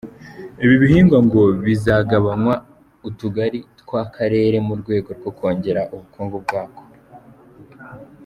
Ibi bihingwa ngo bizagabanywa utugari tw’aka karere mu rwego rwo kongera ubukungu bwako.